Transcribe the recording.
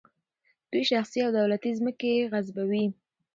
دوی شخصي او دولتي ځمکې غصبوي.